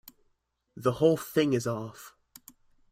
The whole thing is off.